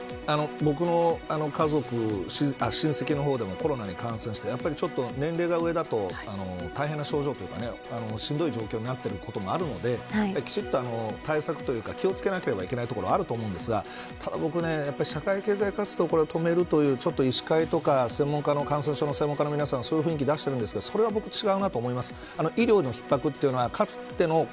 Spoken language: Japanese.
僕の家族親戚の方でもコロナに感染してやっぱり年齢が上だと大変な症状というかしんどい状況になっていることがあるのできちんと対策というか気を付けなければいけないところはあると思うんですがただ僕やっぱり社会経済活動を止めるという医師会とか専門家の皆さんはそういう雰囲気を出してるんですけどそれは違うなと思います。